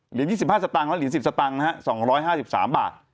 ๒๕สตางค์และเหรียญ๑๐สตางค์นะฮะ๒๕๓บาท